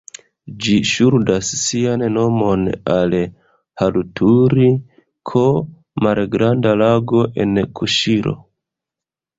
Ĝi ŝuldas sian nomon al "Harutori-ko", malgranda lago en Kuŝiro.